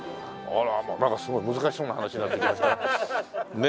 あらまあなんかすごい難しそうな話になってきましたね。